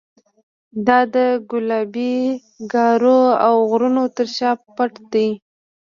دا د ګلابي ګارو او غرونو تر شا پټ دی.